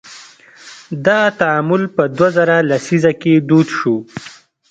دغه تعامل په دوه زره لسیزه کې دود شو.